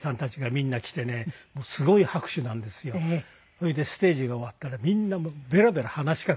それでステージが終わったらみんなベラベラ話しかけるわけ。